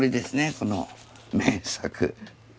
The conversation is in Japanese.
この名作。